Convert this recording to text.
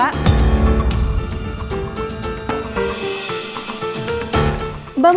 aku mau ke bandung